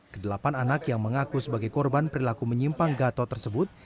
kedelapan anak yang mengaku sebagai korban perilaku menyimpang gatot tersebut